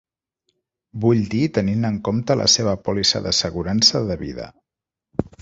Vull dir tenint en compte la seva pòlissa d'assegurança de vida.